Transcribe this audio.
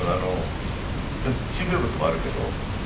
しんどいこともあるけど。